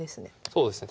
そうですね。